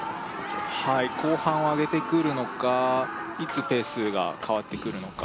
はい後半は上げてくるのかいつペースが変わってくるのか